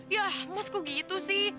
yah mas kok begitu sih